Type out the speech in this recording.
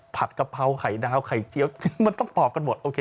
ผัดกะเพราไข่ดาวไข่เจี๊ยวมันต้องตอบกันหมด